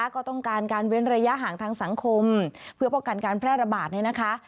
ก็ต้องการการเว้นระยะห่างทางสังคมเพื่อป้องกันการแพร่ระบาดเนี่ยนะคะ